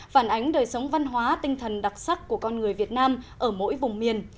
phản ánh đời sống văn hóa tinh thần đặc sắc của con người việt nam ở mỗi vùng miền